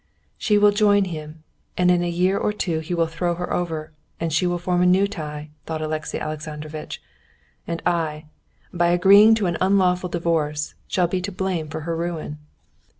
"She will join him, and in a year or two he will throw her over, or she will form a new tie," thought Alexey Alexandrovitch. "And I, by agreeing to an unlawful divorce, shall be to blame for her ruin."